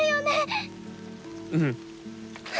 うん。